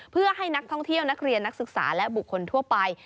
เพื่อให้นักท่องเที่ยวนักเรียนนักศึกษาและบุคคลทั่วไป